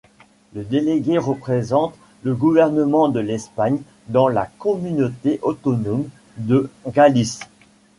Le délégué représente le gouvernement de l'Espagne dans la communauté autonome de Galice.